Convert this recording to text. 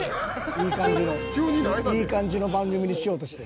いい感じのいい感じの番組にしようとしてる。